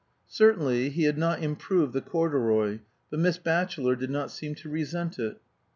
Certainly he had not improved the corduroy, but Miss Batchelor did not seem to resent it.